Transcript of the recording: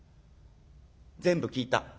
全部聞いた。